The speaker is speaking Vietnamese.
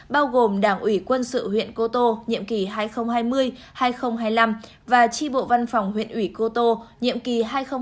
bao gồm đảng ủy quân sự huyện cô tô nhiệm kỳ hai nghìn hai mươi hai nghìn hai mươi năm và tri bộ văn phòng huyện ủy cô tô nhiệm kỳ hai nghìn hai mươi hai nghìn hai mươi năm